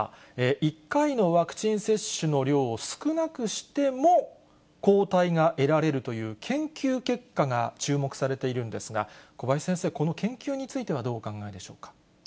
１回のワクチン接種の量を少なくしても、抗体が得られるという研究結果が注目されているんですが、小林先生、この研究についてはどうお考えでしょうか。